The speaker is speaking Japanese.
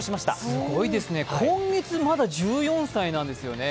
すごいですね、今月まだ１４歳なんですよね。